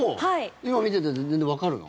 今、見てて全然わかるの？